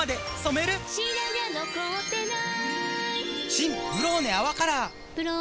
新「ブローネ泡カラー」「ブローネ」